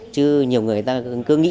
chứ nhiều người này cứ nghĩ là